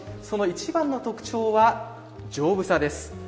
その一番の特徴は丈夫さです。